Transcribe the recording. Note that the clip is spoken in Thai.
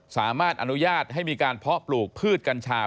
สามารถอนุญาตให้มีการเพาะปลูกพืชกัญชา